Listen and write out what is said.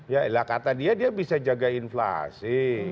ya lah kata dia dia bisa jaga inflasi